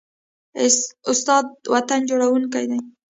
استاد د وطن جوړوونکی دی.